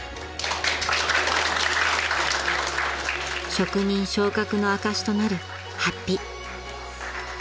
［職人昇格の証しとなる法被］